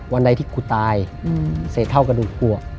วันใดที่กูตายเสร็จเท่ากระดูกกลัว